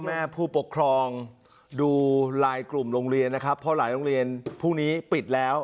แม่ผู้ปกครองดูลายกลุ่มโรงเรียนนะครับเพราะหลายโรงเรียนพรุ่งนี้ปิดแล้ว